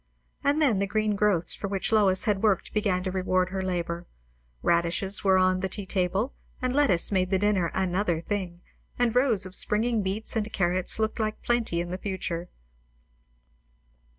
And then the green growths for which Lois had worked began to reward her labour. Radishes were on the tea table, and lettuce made the dinner "another thing;" and rows of springing beets and carrots looked like plenty in the future.